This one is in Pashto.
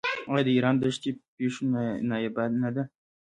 آیا د ایران دښتي پیشو نایابه نه ده؟